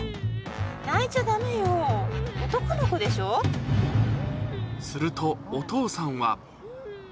泣いちゃだめよ、男の子でしすると、お父さんは。